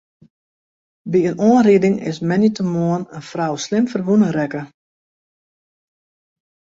By in oanriding is moandeitemoarn in frou slim ferwûne rekke.